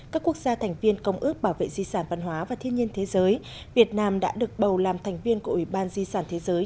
các quốc gia thành viên công ước bảo vệ di sản văn hóa và thiên nhiên thế giới việt nam đã được bầu làm thành viên của ủy ban di sản thế giới